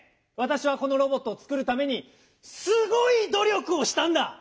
わたしはこのロボットをつくるためにすごいど力をしたんだ！